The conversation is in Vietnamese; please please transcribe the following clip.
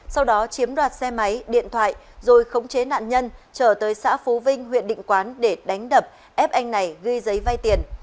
sau đó chiếm đoạt xe máy điện thoại rồi khống chế nạn nhân trở tới xã phú vinh huyện định quán để đánh đập ép anh này ghi giấy vay tiền